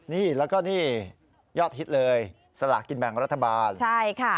นี่แล้วก็นี่ยอดฮิตเลยสลากกินแบ่งรัฐบาลใช่ค่ะ